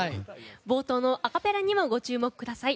冒頭のアカペラにもご注目ください。